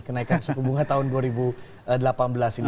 kenaikan suku bunga tahun dua ribu delapan belas ini